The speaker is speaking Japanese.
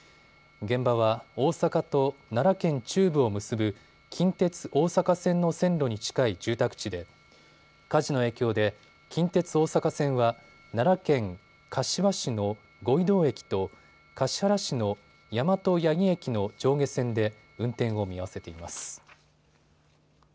現場は大阪と奈良県中部を結ぶ近鉄大阪線の線路に近い住宅地で火事の影響で近鉄大阪線は奈良県香芝市の五位堂駅と橿原市の大和八木駅の上下線で運転を見合わせています。